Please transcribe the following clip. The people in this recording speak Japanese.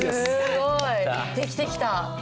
すごい。できてきた。